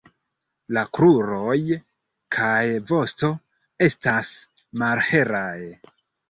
La kruroj kaj vosto estas malhelaj.